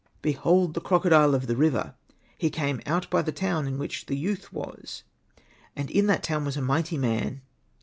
Behold the crocodile of the river, he came out by the town in which the youth was. And in that town w^as a mighty man.